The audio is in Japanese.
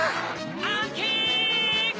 アンキック！